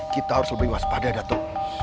kita harus lebih waspada datang